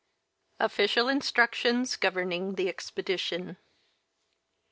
OFFICIAL INSTRUCTIONS GOVERNING THE EXPEDITION.